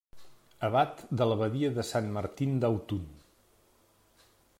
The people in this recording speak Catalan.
Abat de l'abadia de Sant Martin d'Autun.